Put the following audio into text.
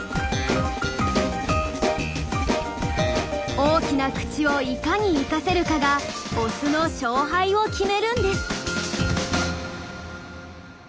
大きな口をいかに生かせるかがオスの勝敗を決めるんです。